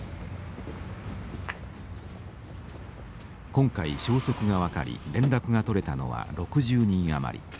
今回消息が分かり連絡が取れたのは６０人余り。